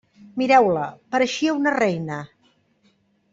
Mireu-la; pareixia una reina.